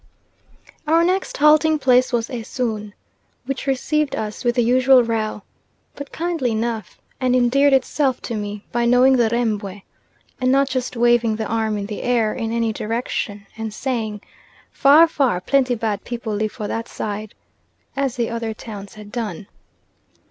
Our next halting place was Esoon, which received us with the usual row, but kindly enough; and endeared itself to me by knowing the Rembwe, and not just waving the arm in the air, in any direction, and saying "Far, far plenty bad people live for that side," as the other towns had done.